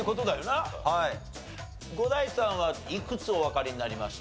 伍代さんはいくつおわかりになりました？